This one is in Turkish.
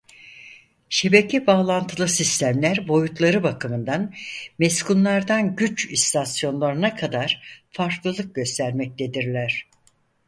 Şebeke bağlantılı sistemler boyutları bakımından meskunlardan güç istasyonlarına kadar farklılık göstermektedirler.